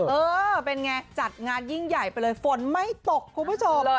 เออเป็นไงจัดงานยิ่งใหญ่ไปเลยฝนไม่ตกคุณผู้ชม